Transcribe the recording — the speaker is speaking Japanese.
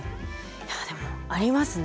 いやでもありますね。